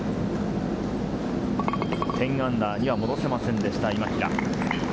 −１０には戻せませんでした、今平。